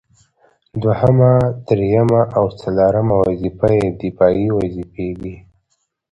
دوهم، دريمه او څلورمه وظيفه يې دفاعي وظيفي دي